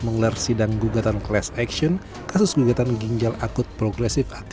pengadilan negeri jakarta pusat